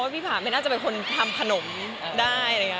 พี่ผ่านไม่น่าจะเป็นคนทำขนมได้